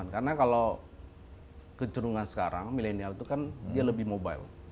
karena kalau kejurungan sekarang milenial itu kan dia lebih mobile